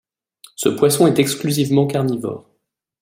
Ce poisson est exclusivement carnivore.